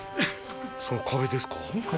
その壁ですか？